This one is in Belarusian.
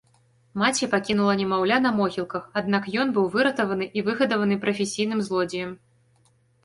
Маці пакінула немаўля на могілках, аднак ён быў выратаваны і выгадаваны прафесійным злодзеем.